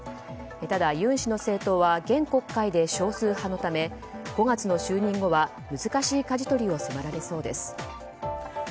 ただ、ユン氏の政党は現国会で少数派のため５月の就任後は難しいかじ取りを迫られそうです。